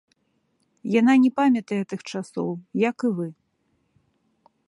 Яна не памятае тых часоў, як і вы.